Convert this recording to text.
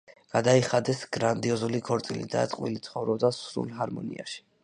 გადაიხადეს გრანდიოზული ქორწილი და წყვილი ცხოვრობდა სრულ ჰარმონიაში.